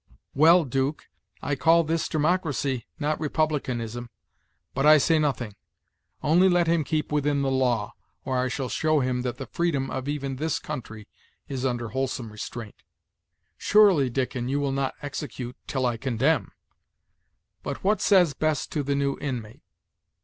"Well, 'Duke, I call this democracy, not republicanism; but I say nothing; only let him keep within the law, or I shall show him that the freedom of even this country is under wholesome restraint." "Surely, Dickon, you will not execute till I condemn! But what says Bess to the new inmate?